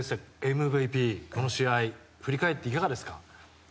ＭＶＰ、この試合振り返っていかがですか？